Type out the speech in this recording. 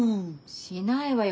しないわよ。